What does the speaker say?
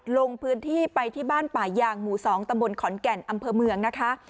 ลงพื้นที่ไปที่บ้านป่ายางหมู่๒ตำบลขอนแก่นอำเภอเมืองนะคะ